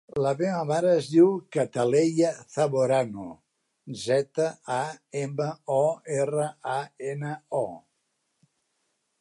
La meva mare es diu Cataleya Zamorano: zeta, a, ema, o, erra, a, ena, o.